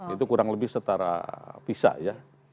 itu kurang lebih setara bisa ya